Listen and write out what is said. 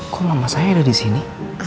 kok mama saya ada disini